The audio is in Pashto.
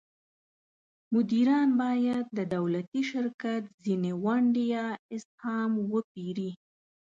مدیران باید د دولتي شرکت ځینې ونډې یا اسهام وپیري.